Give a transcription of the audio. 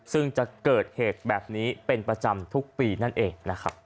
ซึ่งจะเกิดเหตุแบบนี้เป็นประจำทุกปีนั่นเองนะครับ